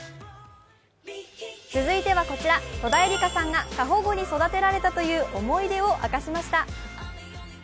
続いては、戸田恵梨香さんが過保護に育てられたという思い出を明かしました。